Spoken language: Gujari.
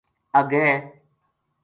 اَگے